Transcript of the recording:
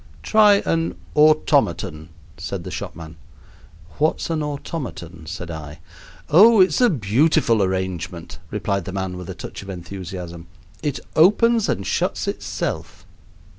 "Try an 'automaton,'" said the shopman. "What's an 'automaton'?" said I. "Oh, it's a beautiful arrangement," replied the man, with a touch of enthusiasm. "It opens and shuts itself."